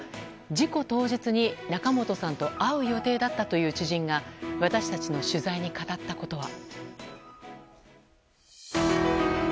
事故当日に仲本さんと会う予定だったという知人が私たちの取材に語ったことは。